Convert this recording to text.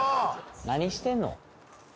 何してんの？